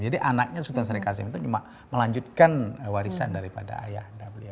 jadi anaknya sultan saraik hashim itu cuma melanjutkan warisan daripada ayah